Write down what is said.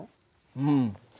うん。